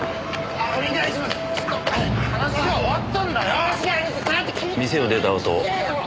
あっ！